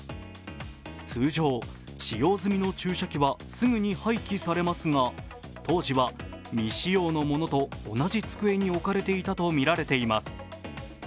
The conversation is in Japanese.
通常、使用済みの注射器はすぐに廃棄されますが、当時は未使用のものと同じ机に置かれていたとみられています。